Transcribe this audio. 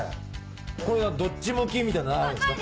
これはどっち向きみたいなのあるんですか？